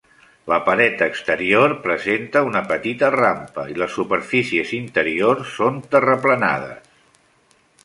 La paret exterior presenta una petita rampa, i les superfícies interiors són terraplenades.